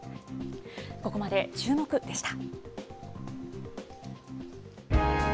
ここまでチューモク！でした。